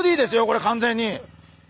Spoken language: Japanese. これ完全に。